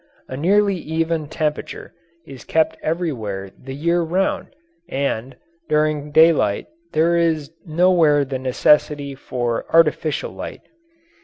A nearly even temperature is kept everywhere the year round and, during daylight, there is nowhere the necessity for artificial light.